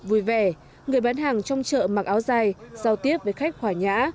vui vẻ người bán hàng trong chợ mặc áo dài giao tiếp với khách hòa nhã